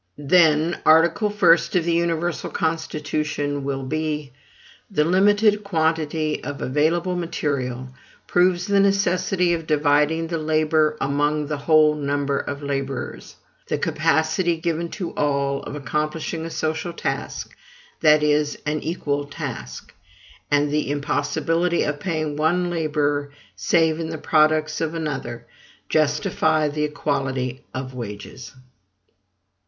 Then, article first of the universal constitution will be: "The limited quantity of available material proves the necessity of dividing the labor among the whole number of laborers. The capacity, given to all, of accomplishing a social task, that is, an equal task, and the impossibility of paying one laborer save in the products of another, justify the equality of wages."